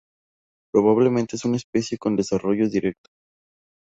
Probablemente es una especie con desarrollo directo.